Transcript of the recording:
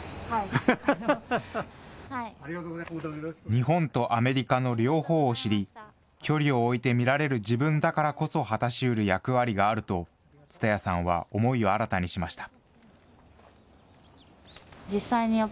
日本とアメリカの両方を知り、距離を置いて見られる自分だからこそ果たしうる役割があると、蔦谷さんは思いを新たにしました。